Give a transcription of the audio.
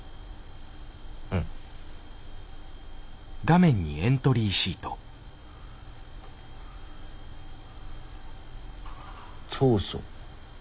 うん。長所。